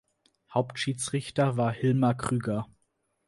Hauptschiedsrichter war Hilmar Krüger.